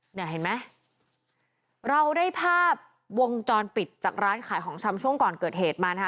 เนี่ยเห็นไหมเราได้ภาพวงจรปิดจากร้านขายของชำช่วงก่อนเกิดเหตุมานะคะ